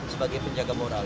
sebagai penjaga moral